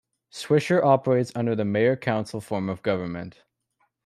Swisher operates under the mayor-council form of government.